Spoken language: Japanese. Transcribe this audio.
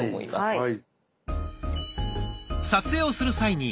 はい。